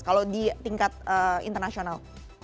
kalau di tingkat internasional